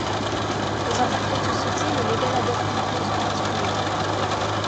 Dans un portrait de société, le modèle adopte une pose particulière.